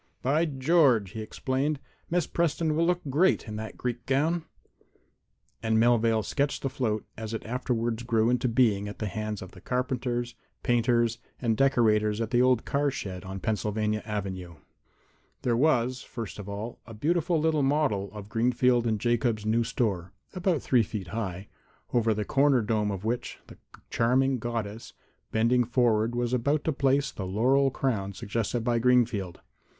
"By George!" he exclaimed. "Miss Preston will look great in that Greek gown." And Melvale sketched the float as it afterward grew into being at the hands of carpenters, painters and decorators at the old car shed on Pennsylvania avenue. There was, first of all, a beautiful little model of Greenfield & Jacobs' new store, about three feet high, over the corner dome of which the charming Goddess, bending forward, was about to place the laurel crown suggested by Greenfield.